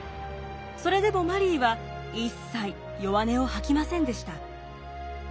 それでもマリーは一切弱音を吐きませんでした。